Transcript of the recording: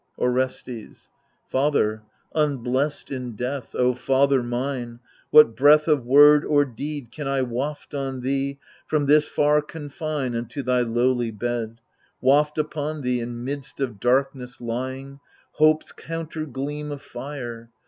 Orestes Father, unblest in death, O father mine ! What breath of word or deed Can I waft on thee from this far confine Unto thy lowly bed, — Waft upon thee, in midst of darkness lying, Hope's counter gleam of fire